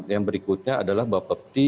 yang berikutnya adalah bapepti